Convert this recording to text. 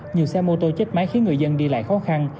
nhiều xe mô tô chết máy khiến người dân đi lại khó khăn